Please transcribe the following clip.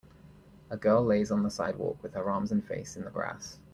A girl lays on the sidewalk with her arms and face in the grass.